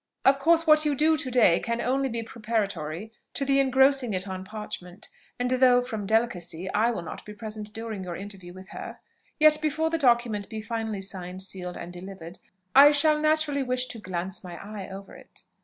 Of course, what you do to day can only be preparatory to the engrossing it on parchment: and though, from delicacy, I will not be present during your interview with her, yet before the document be finally signed, sealed, and delivered, I shall naturally wish to glance my eye over it.